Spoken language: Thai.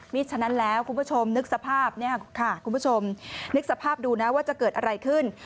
นี่ฉะนั้นแล้วคุณผู้ชมนึกสภาพดูนะว่าจะเกิดอะไรขึ้น